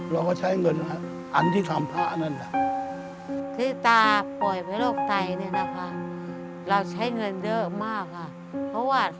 เราก็ใช้เงินอันที่ทำพร้าทนั่นแหละ